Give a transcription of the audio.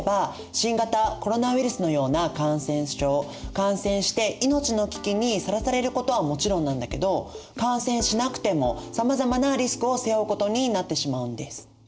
感染して命の危機にさらされることはもちろんなんだけど感染しなくてもさまざまなリスクを背負うことになってしまうんです。